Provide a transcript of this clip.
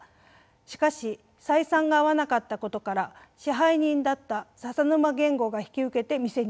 しかし採算が合わなかったことから支配人だった笹沼源吾が引き受けて店にしたのです。